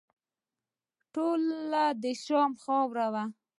ټول د شام خاوره وه.